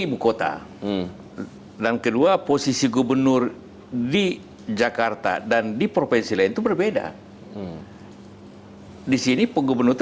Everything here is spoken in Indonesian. ibu kota dan kedua posisi gubernur di jakarta dan di provinsi lain itu berbeda disini